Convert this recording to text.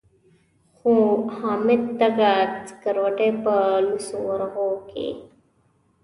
خو حامد دغه سکروټې په لوڅو ورغوو کې.